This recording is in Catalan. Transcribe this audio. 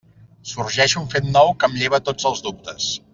Sorgeix un fet nou que em lleva tots els dubtes.